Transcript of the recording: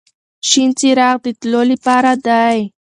شین څراغ د تلو لپاره دی.